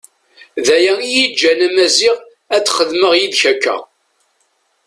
D aya iyi-iǧǧan a Maziɣ ad xedmeɣ yid-k akka.